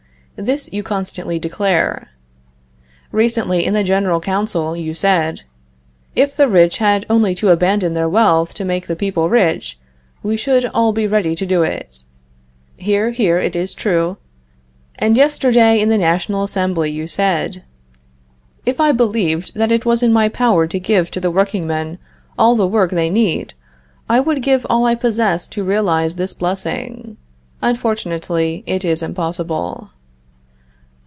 This you constantly declare. Recently, in the General Council, you said: "If the rich had only to abandon their wealth to make the people rich we should all be ready to do it." [Hear, hear. It is true.] And yesterday, in the National Assembly, you said: "If I believed that it was in my power to give to the workingmen all the work they need, I would give all I possess to realize this blessing. Unfortunately, it is impossible."